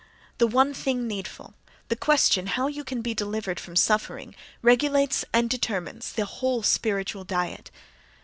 The "one thing needful," the question "how can you be delivered from suffering," regulates and determines the whole spiritual diet.